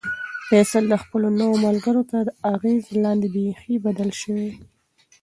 فیصل د خپلو نویو ملګرو تر اغېز لاندې بیخي بدل شوی و.